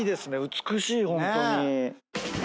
美しいホントに。